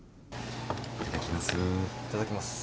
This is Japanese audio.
いただきます。